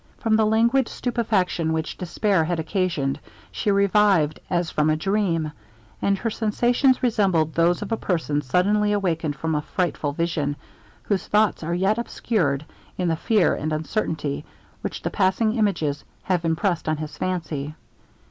From the languid stupefaction which despair had occasioned she revived as from a dream, and her sensations resembled those of a person suddenly awakened from a frightful vision, whose thoughts are yet obscured in the fear and uncertainty which the passing images have impressed on his fancy.